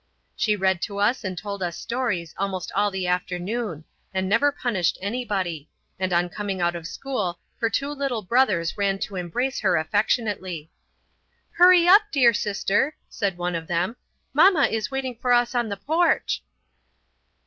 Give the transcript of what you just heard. She read to us and told us stories almost all the afternoon, and never punished anybody, and on coming out of school her two little brothers ran to embrace her affectionately. "Hurry up, dear sister," said one of them, "Mama is waiting for us on the porch."